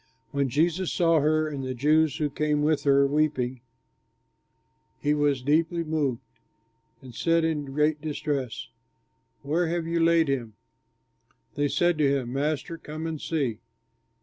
When Jesus saw her and the Jews who came with her weeping, he was deeply moved, and said in great distress, "Where have you laid him?" They said to him, "Master, come and see."